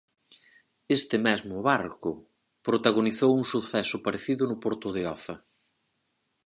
Este mesmo barco protagonizou un suceso parecido no porto de Oza.